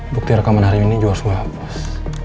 bukti rekaman hari ini juga suapus